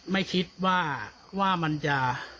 ไม่คิดว่ามันจะ